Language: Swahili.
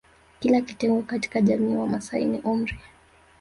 Kila kitengo katika jamiii ya Wamasai ni umri